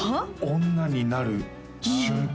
女になる瞬間？